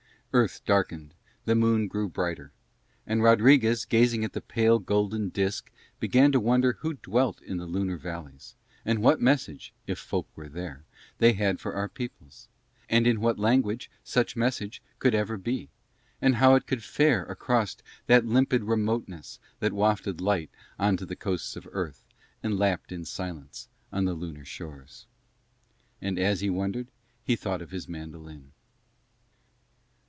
Earth darkened, the moon grew brighter: and Rodriguez gazing at the pale golden disk began to wonder who dwelt in the lunar valleys; and what message, if folk were there, they had for our peoples; and in what language such message could ever be, and how it could fare across that limpid remoteness that wafted light on to the coasts of Earth and lapped in silence on the lunar shores. And as he wondered he thought of his mandolin.